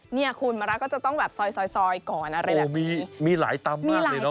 เนี่ยคูณมะระก็จะต้องแบบซอยซอยซอยก่อนอะไรแบบนี้โอ้โหมีมีหลายตำมากนี่เนอะ